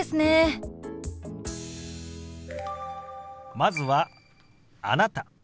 まずは「あなた」。